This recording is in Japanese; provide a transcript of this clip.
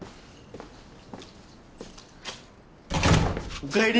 おかえり！